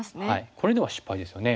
これでは失敗ですよね。